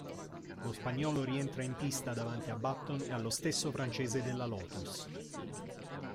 Lo spagnolo rientra in pista davanti a Button e lo stesso francese della Lotus.